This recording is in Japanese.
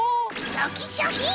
シャキシャキン！